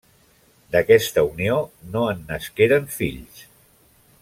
D'aquesta unió no en nasqueren fills.